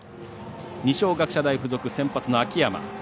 二松学舎大付属、先発の秋山。